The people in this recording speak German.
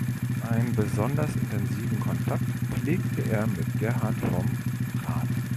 Einen besonders intensiven Kontakt pflegte er mit Gerhard vom Rath.